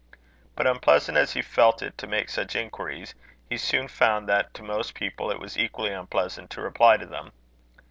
But unpleasant as he felt it to make such inquiries, he soon found that to most people it was equally unpleasant to reply to them.